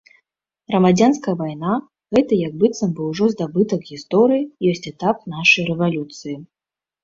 Грамадзянская вайна, гэты як быццам бы ўжо здабытак гісторыі, ёсць этап нашай рэвалюцыі.